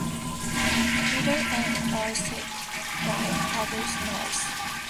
Meadle and Owlswick lie further north.